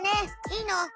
いいの？